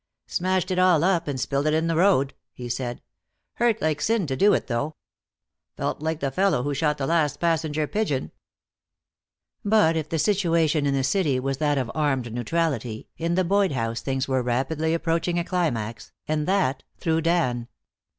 "Smashed it all up and spilled it in the road," he said. "Hurt like sin to do it, though. Felt like the fellow who shot the last passenger pigeon." But if the situation in the city was that of armed neutrality, in the Boyd house things were rapidly approaching a climax, and that through Dan.